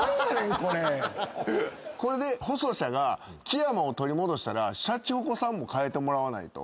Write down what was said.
これで細シャが木山を取り戻したらシャチホコさんも変えてもらわないと。